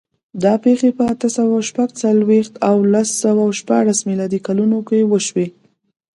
دا پېښې په اته سوه شپږ څلوېښت او لس سوه شپاړس میلادي کلونو وشوې.